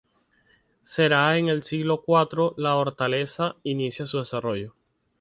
Será en el siglo cuanto Hortaleza, inicie su desarrollo.